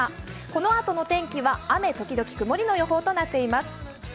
このあとの天気は雨ときどき曇りの予報となっています。